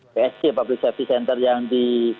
psg public safety center yang di